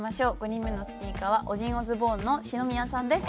５人目のスピーカーはオジンオズボーンの篠宮さんです。